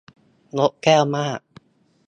นกแก้วมาก